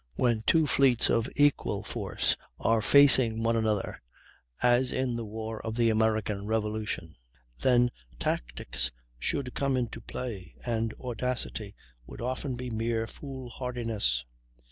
When two fleets of equal worth are facing one another, as in the War of the American Revolution, then tactics should come into play, and audacity would often be mere foolhardiness.